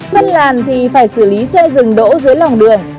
phân làn thì phải xử lý xe dừng đỗ dưới lòng đường